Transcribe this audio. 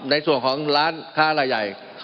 มันมีมาต่อเนื่องมีเหตุการณ์ที่ไม่เคยเกิดขึ้น